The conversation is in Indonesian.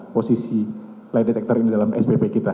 posisi lay detektor ini dalam sbp kita